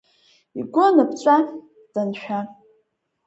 Игәы аныԥҵәа, даншәа…